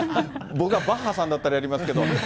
僕がバッハさんだったらやりますけど。